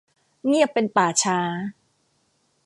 เงียบเป็นป่าช้า